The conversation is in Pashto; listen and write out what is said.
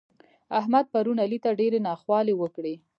احمد پرون علي ته ډېرې ناخوالې وکړې.